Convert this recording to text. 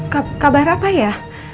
k kabar apa ya